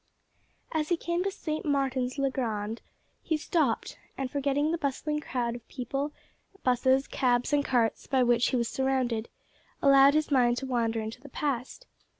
As he came to St. Martin's le Grand he stopped, and, forgetting the bustling crowd of people, buses, cabs, and carts by which he was surrounded, allowed his mind to wander into the past.